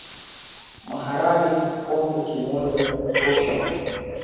Maharage Kikombe moja yanatosha